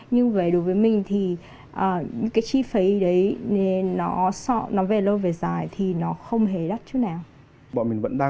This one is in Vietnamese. nhưng về đối với mình thì những cái chi phí đấy nó về lâu về dài thì nó không hề đắt chút nào